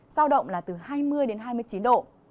giao động là từ hai mươi đến hai mươi chín độ